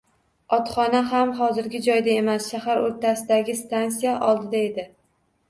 Otxona ham hozirgi joyda emas, shahar o`rtasidagi stansiya oldida edi